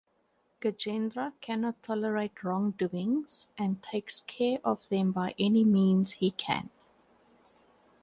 Gajendra cannot tolerate wrongdoings and takes care of them by any means he can.